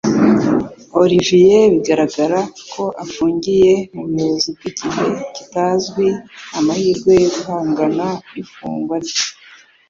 Olivier bigaragara ko afungiye mu buyobozi bw'igihe kitazwi nta mahirwe yo guhangana n'ifungwa rye